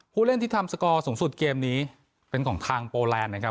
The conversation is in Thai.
ผู้เล่นที่ทำสกอร์สูงสุดเกมนี้เป็นของทางโปแลนด์นะครับ